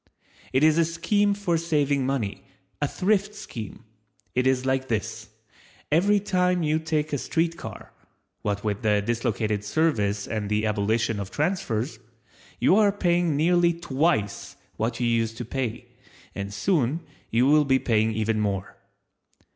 It is a scheme for saving money, a Thrift scheme. It is like this—Every time you take a street car (what with the dislocated service and the abolition of transfers) you are paying nearly twice what you used to pay, and soon you will be paying even more.